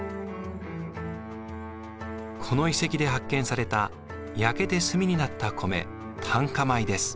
この遺跡で発見された焼けて炭になった米炭化米です。